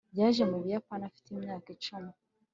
Yaje mu Buyapani afite imyaka icumi